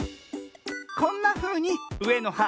こんなふうにうえの「は」